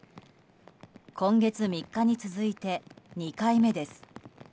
今月３日に続いて、２回目です。